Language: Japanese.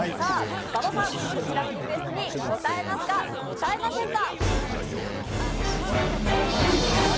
馬場さん、こちらのリクエストに応えますか、応えませんか？